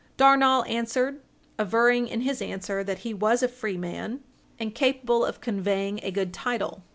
Darnall answered, averring in his answer that he was a free man, and capable of conveying a good title.